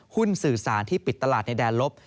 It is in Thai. หุ้นสื่อสารที่ปิดตลาดในแดนลบ